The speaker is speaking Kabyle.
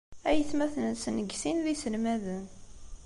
Aytmaten-nsen deg sin d iselmaden.